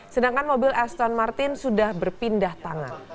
sedangkan mobil esthon martin sudah berpindah tangan